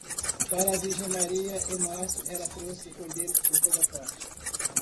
Para a Virgem Maria, em março, ela trouxe cordeiros por toda parte.